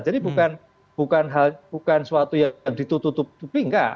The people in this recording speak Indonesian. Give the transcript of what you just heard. jadi bukan hal bukan suatu yang ditutup tutupi enggak